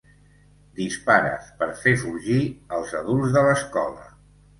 Dispares per fer fugir els adults de l'escola.